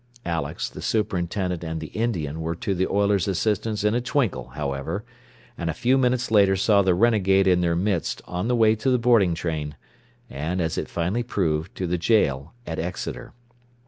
Alex, the superintendent and the Indian were to the oiler's assistance in a twinkle, however, and a few minutes later saw the renegade in their midst on the way to the boarding train and, as it finally proved, to the jail at Exeter.